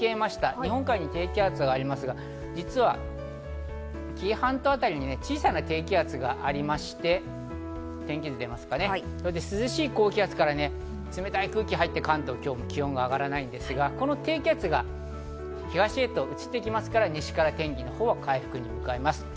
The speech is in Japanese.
日本海に低気圧がありますが、実は紀伊半島あたりに小さな低気圧がありまして、涼しい高気圧から冷たい空気が入って関東は今日も気温が上がらないんですが、この低気圧が東に移っていくので西から天気は回復に向かいます。